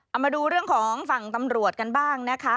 เอามาดูเรื่องของฝั่งตำรวจกันบ้างนะคะ